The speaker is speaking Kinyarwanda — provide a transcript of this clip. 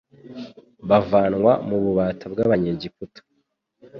bavanwa mu bubata bw'Abanyegiputa.